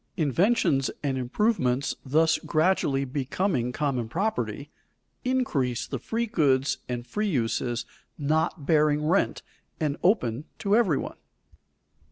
Inventions and improvements thus gradually becoming common property, increase the free goods and free uses not bearing rent and open to every one.